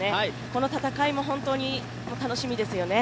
この戦いも本当に楽しみですよね。